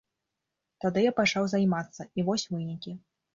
Тады я пачаў займацца, і вось вынікі.